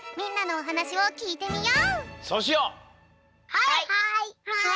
はいはい！